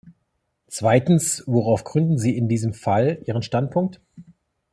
Zweitens, worauf gründen Sie in diesem Fall Ihren Standpunkt?